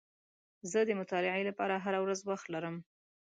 زه د مطالعې لپاره هره ورځ وخت لرم.